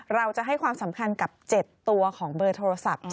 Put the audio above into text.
เราจะให้ความสำคัญกับ๗ตัวของเบอร์โทรศัพท์